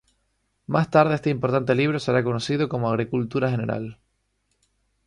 Más tarde este importante libro será conocido como "Agricultura general".